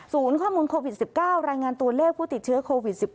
ข้อมูลโควิด๑๙รายงานตัวเลขผู้ติดเชื้อโควิด๑๙